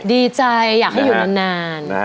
ดีใจอยากให้อยู่นาน